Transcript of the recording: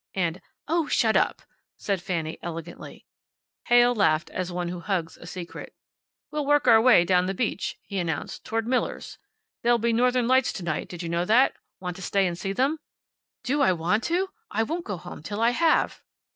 And, "Oh, shut up!" said Fanny, elegantly. Heyl laughed as one who hugs a secret. "We'll work our way down the beach," he announced, "toward Millers. There'll be northern lights to night; did you know that? Want to stay and see them?" "Do I want to! I won't go home till I have."